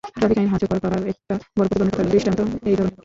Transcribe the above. Traffic আইন কার্যকর করার একটা বড় প্রতিবন্ধকতার দৃষ্টান্ত এই ধরনের ঘটনা।